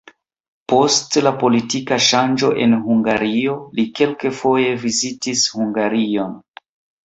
Post la politika ŝanĝo en Hungario li kelkfoje vizitis Hungarion.